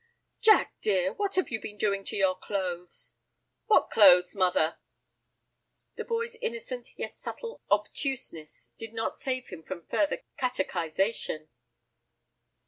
"Jack, dear, what have you been doing to your clothes?" "What clothes, mother?" The boy's innocent yet subtle obtuseness did not save him from further catechisation.